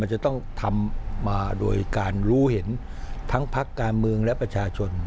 จะต้องทำมาโดยการรู้เห็นทั้งพักการเมืองและประชาชน